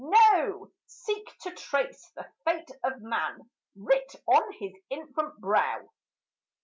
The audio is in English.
No, seek to trace the fate of man Writ on his infant brow.